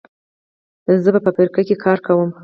زه په فابریکه کې کار کوم.